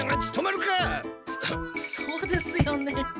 そそうですよね。